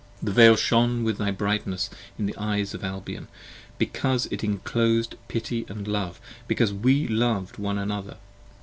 The Veil shone with thy brightness in the eyes of Albion, 35 Because it inclos'd pity & love; because we lov'd one another.